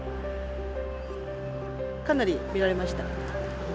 かなり見られました。